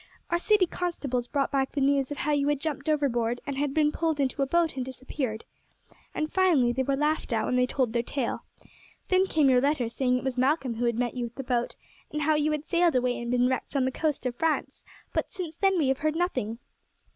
Our city constables brought back the news of how you had jumped overboard, and had been pulled into a boat and disappeared. And finely they were laughed at when they told their tale. Then came your letter saying that it was Malcolm who had met you with the boat, and how you had sailed away and been wrecked on the coast of France; but since then we have heard nothing."